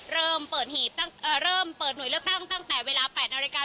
เริ่มเปิดหน่วยเลือกตั้งตั้งแต่เวลา๘นาฬิกา